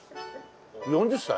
４０歳？